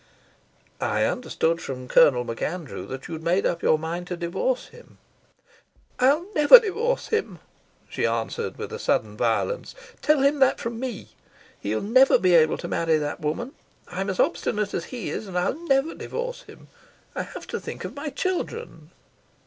"I understood from Colonel MacAndrew that you'd made up your mind to divorce him." "I'll never divorce him," she answered with a sudden violence. "Tell him that from me. He'll never be able to marry that woman. I'm as obstinate as he is, and I'll never divorce him. I have to think of my children."